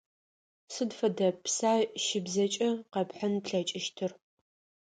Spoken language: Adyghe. Сыд фэдэ пса щыбзэкӀэ къэпхьын плъэкӀыщтыр?